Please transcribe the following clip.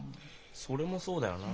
それもそうだよな。